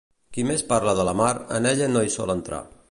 Qui més parla de la mar, en ella no hi sol entrar.